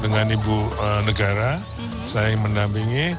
dengan ibu negara saya yang mendampingi